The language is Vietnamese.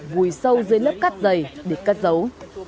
vùi sâu dưới lớp cắt giày để cất dấu